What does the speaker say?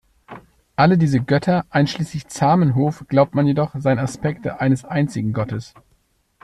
Alle diese „Götter“ einschließlich Zamenhof glaubt man jedoch, seien Aspekte eines einzigen Gottes.